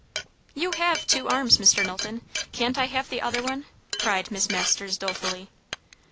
"You have two arms, Mr. Knowlton can't I have the other one?" cried Miss Masters dolefully.